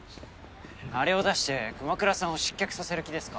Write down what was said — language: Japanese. あれを出して熊倉さんを失脚させる気ですか？